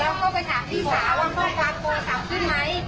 แล้วก็ไปถามพี่สาวว่าความกลัวตังค์ขึ้นไหม